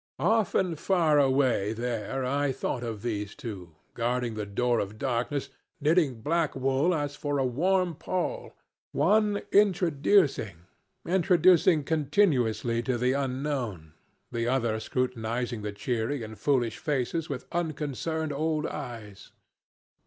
Often far away there I thought of these two, guarding the door of Darkness, knitting black wool as for a warm pall, one introducing, introducing continuously to the unknown, the other scrutinizing the cheery and foolish faces with unconcerned old eyes.